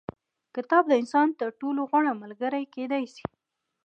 کتاب د انسان تر ټولو غوره ملګری کېدای سي.